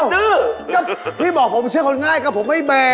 ดื้อก็พี่บอกผมเชื่อคนง่ายก็ผมไม่แบร์